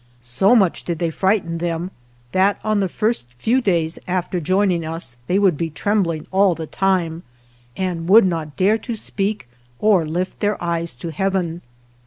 So much did they frighten them that on the first few days after join ing us they would be trembling all the time, and would not dare to speak or lift their eyes to Heaven.